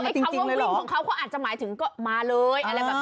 เขาวิ่งของเขาอาจจะหมายถึงก็มาเลย